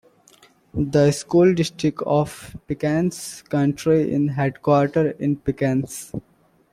The School District of Pickens County is headquartered in Pickens.